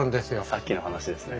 さっきの話ですね。